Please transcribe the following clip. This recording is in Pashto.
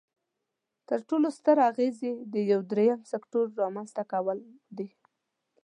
تر ټولو ستر اغیز یې د یو دریم سکتور رامینځ ته کول دي.